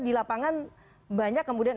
di lapangan banyak kemudian